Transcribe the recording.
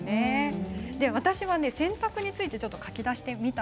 私は洗濯について書き出してみました。